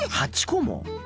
８個も？